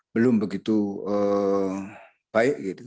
belum begitu baik